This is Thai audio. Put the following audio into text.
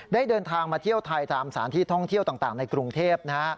เดินทางมาเที่ยวไทยตามสถานที่ท่องเที่ยวต่างในกรุงเทพนะฮะ